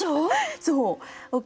そう。